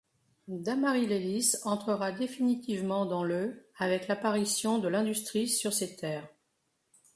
Dammarie-lès-Lys entrera définitivement dans le avec l'apparition de l'industrie sur ses terres.